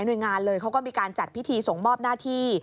โดยงานเลยเขาก็มีการจัดพิธีส่งมอบหน้าที่